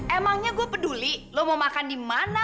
emangnya gue peduli lo mau makan di mana